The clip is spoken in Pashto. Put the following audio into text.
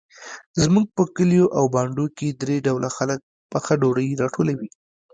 زموږ په کلیو او بانډو کې درې ډوله خلک پخه ډوډۍ راټولوي.